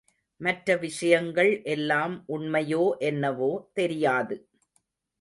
மற்ற விஷயங்கள் எல்லாம் உண்மையோ என்னவோ தெரியாது.